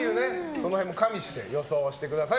その辺も加味して予想してください。